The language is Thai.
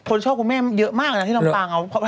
คนชอบคุณแม่เยอะมากที่ลำปางพอถามละแม่ก็เคยวิ่งบ้าง